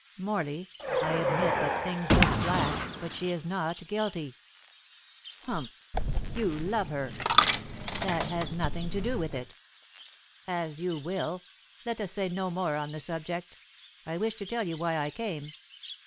"Morley, I admit that things look black, but she is not guilty." "Humph! You love her." "That has nothing to do with it." "As you will. Let us say no more on the subject. I wish to tell you why I came."